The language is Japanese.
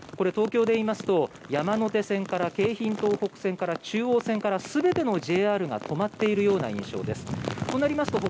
東京でいいますと山手線から京浜東北線から中央線から全てのＪＲが止まっているような印象です。